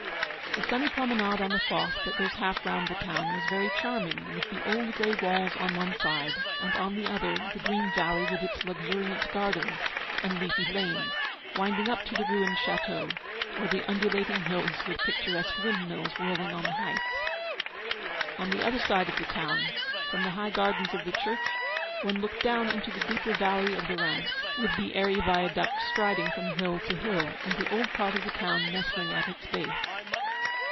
The sunny promenade on the fosse, that goes half round the town, was very charming, with the old grey walls on one side, and, on the other, the green valley with its luxuriant gardens, and leafy lanes, winding up to the ruined château, or the undulating hills with picturesque windmills whirling on the heights. On the other side of the town, from the high gardens of the church, one looked down into the deeper valley of the Rance, with the airy viaduct striding from hill to hill, and the old part of the town nestling at its base.